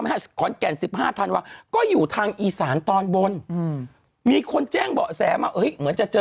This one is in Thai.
ถ้าถ้าสิข้อนแก่น๑๕ทางธันวาคมก็อยู่ทางอีศาลตอนบนมีคนแจ้งเบาะแสมาเหมือนจะเจอ